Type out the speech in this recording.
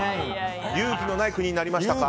勇気のない国になりましたか？